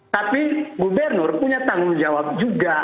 tapi gubernur punya tanggung jawab juga